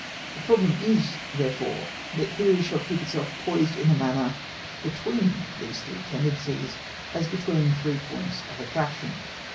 The problem is, therefore, that theory shall keep itself poised in a manner between these three tendencies, as between three points of attraction.